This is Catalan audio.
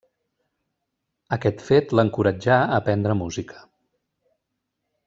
Aquest fet l'encoratjà a aprendre música.